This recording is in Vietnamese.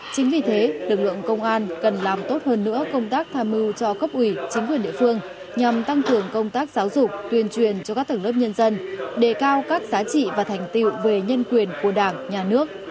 chính vì thế lực lượng công an cần làm tốt hơn nữa công tác tham mưu cho cấp ủy chính quyền địa phương nhằm tăng cường công tác giáo dục tuyên truyền cho các tầng lớp nhân dân đề cao các giá trị và thành tiệu về nhân quyền của đảng nhà nước